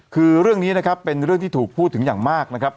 คือเรื่องนี้นะครับเป็นเรื่องที่ถูกพูดถึงอย่างมากนะครับ